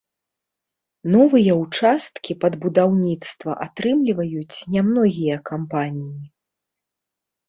Новыя ўчасткі пад будаўніцтва атрымліваюць нямногія кампаніі.